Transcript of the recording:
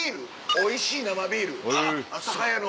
おいしい生ビール酒屋の。